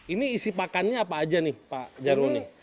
ini isi pakannya apa aja nih pak jaruni